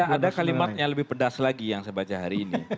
ada kalimat yang lebih pedas lagi yang saya baca hari ini